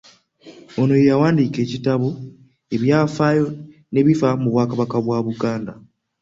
Ono ye yawandiika ekitabo “Ebyafaayo n'ebifa mu bwakabaka bwa Buganda.῝